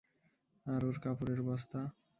আর ওর কাপড়ের বস্তা?